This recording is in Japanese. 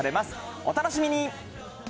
お楽しみに。